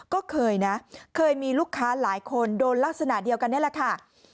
ก็เคยนะเคยมีลูกค้าหลายคนโดนลักษณะเดียวกันนี่แหละค่ะ